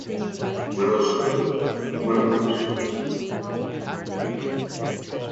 Widows and widowers in the mourning are forbidden to touch their own heads.